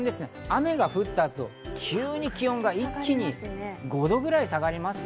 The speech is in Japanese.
雨が降ったあと急に気温が５度ぐらい下がります。